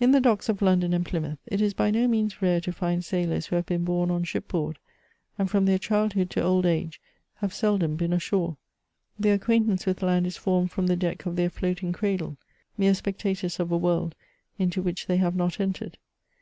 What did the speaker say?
In the docks of London and Plymouth it is by no means rwe to find sailors who have been bom on ship board, and from their childhood to old ag^ have seldom been ashore ; their acquaintance with land is formed from the deck of their floating cradle — mere spectators of a world into which they have not entered.